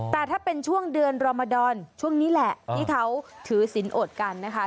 แต่ถ้าเป็นช่วงเดือนรมดรช่วงนี้แหละที่เขาถือสินอดกันนะคะ